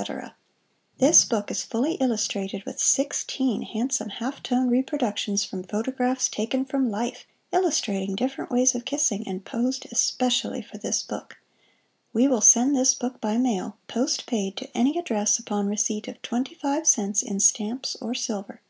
☞ This book is fully illustrated with 16 handsome half tone reproductions from photographs taken from life, illustrating different ways of kissing, and posed especially for this book. We will send this book by mail, postpaid, to any address upon receipt of =25 cents= in stamps or silver.